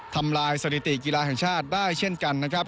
ทำลายสถิติกีฬาแห่งชาติได้เช่นกันนะครับ